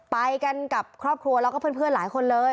ไปกันกับครอบครัวแล้วก็เพื่อนหลายคนเลย